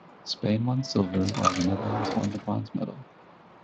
Spain won silver, while the Netherlands won the bronze medal.